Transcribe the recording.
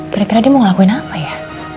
kira kira dia mau ngelakuin apa ya